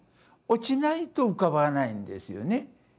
落ちないと浮かばないんですよね。